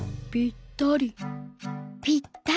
「ぴったり」。